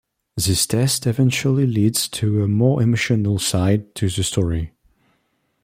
This test eventually leads to a more emotional side to the story.